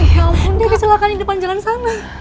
ya ampun dia kecelakaan di depan jalan sana